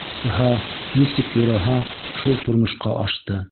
Тһа нисек юраһа, шул тормошҡа ашты.